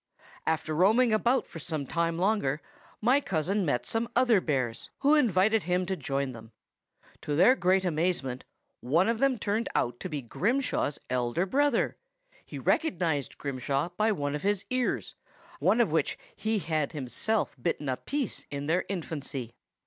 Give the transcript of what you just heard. "After roaming about for some time longer, my cousin met some other bears, who invited him to join them. To their great amazement, one of them turned out to be Grimshaw's elder brother; he recognized Grimshaw by one of his ears, out of which he had himself bitten a piece in their infancy.